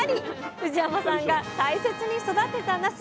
藤山さんが大切に育てたなす。